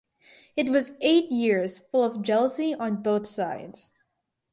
It was eight years full of jealousy on both sides.